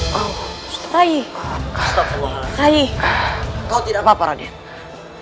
kau tidak apa apa raden